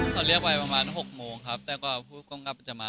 เขาเรียกไว้ประมาณหกโมงครับแต่ครับผู้กรรมการประจ่าม้า